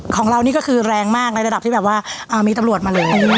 ของเรานี่ก็คือแรงมากในระดับที่แบบว่ามีตำรวจมาเลย